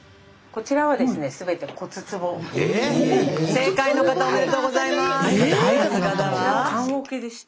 正解の方おめでとうございます。